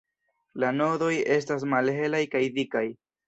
La nodoj estas malhelaj kaj dikaj.